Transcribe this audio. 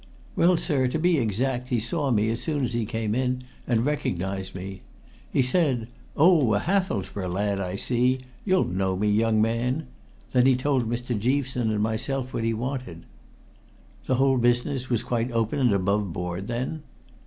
"Well, sir, to be exact, he saw me as soon as he came in, and recognized me. He said, 'Oh, a Hathelsborough lad, I see? You'll know me, young man.' Then he told Mr. Jeaveson and myself what he wanted." "The whole business was quite open and above board, then?"